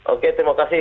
oke terima kasih